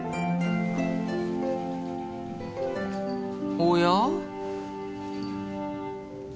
おや？